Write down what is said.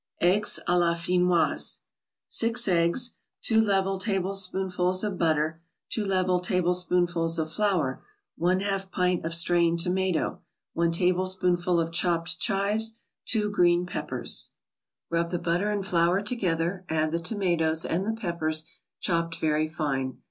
EGGS A LA FINNOIS 6 eggs 2 level tablespoonfuls of butter 2 level tablespoonfuls of flour 1/2 pint of strained tomato 1 tablespoonful of chopped chives 2 green peppers Rub the butter and flour together, add the tomatoes, and the peppers, chopped very fine.